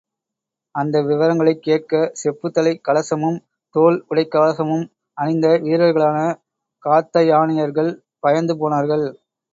அந்த விவரங்களைக் கேட்க, செப்புத் தலைக் கலசமும், தோல் உடைக்கவசமும் அணிந்த வீர்களான காத்தயானியர்கள் பயந்து போனார்கள்.